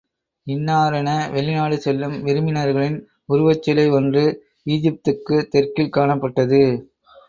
இன்னாரென வெளிநாடு செல்லும் விருப்பினர்களின் உருவச்சிலை ஒன்று ஈஜிப்துக்குத் தெற்கில் காணப்பட்டது.